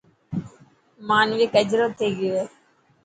مانوڪ اجرو ٿي گيو هي.